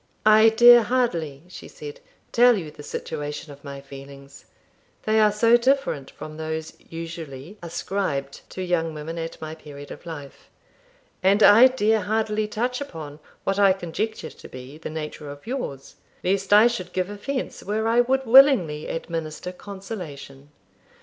'I dare hardly,' she said, 'tell you the situation of my feelings, they are so different from those usually ascribed to young women at my period of life; and I dare hardly touch upon what I conjecture to be the nature of yours, lest I should give offence where I would willingly administer consolation.